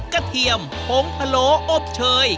กระเทียมโผงพะโหลอบเชย